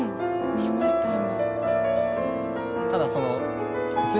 見えました今。